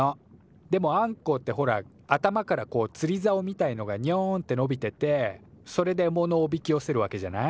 でもアンコウってほら頭からこうつりざおみたいのがニョンってのびててそれでえものをおびきよせるわけじゃない？